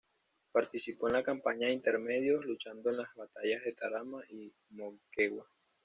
Participó en la Campaña de Intermedios, luchando en las batallas de Torata y Moquegua.